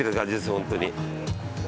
本当に。